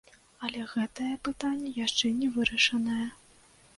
Але гэтае пытанне яшчэ не вырашанае.